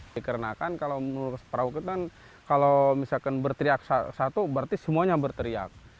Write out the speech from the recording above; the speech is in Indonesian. dikarenakan kalau menurut perahu kita kan kalau misalkan berteriak satu berarti semuanya berteriak